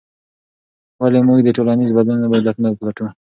ولې موږ د ټولنیزو بدلونونو علتونه پلټو؟